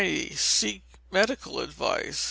Seek Medical Advice.